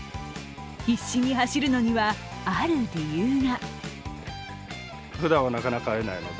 必死に走るのには、ある理由が。